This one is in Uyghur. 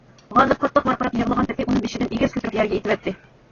غالىب قاتتىق ۋارقىراپ يىغلىغان پېتى ئۇنى بېشىدىن ئېگىز كۆتۈرۈپ يەرگە ئېتىۋەتتى.